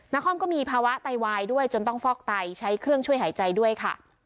คอมก็มีภาวะไตวายด้วยจนต้องฟอกไตใช้เครื่องช่วยหายใจด้วยค่ะ